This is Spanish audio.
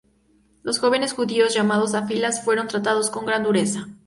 Los jóvenes judíos llamados a filas fueron tratados con gran dureza".